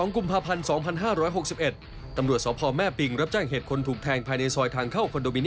คุณมีสภาพตอนโดนแทงเหรอครับ